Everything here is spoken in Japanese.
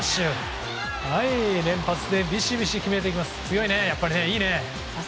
連発でビシビシ決めていきます！